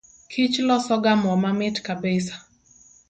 Kich losoga moo mamit kabisa.